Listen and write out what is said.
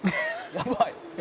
「やばい」